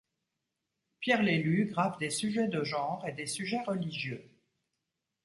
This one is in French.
Pierre Lélu grave des sujets de genre et des sujets religieux.